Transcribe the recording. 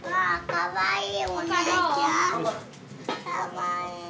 かわいい。